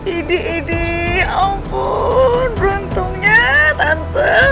ide ide ampun beruntungnya tante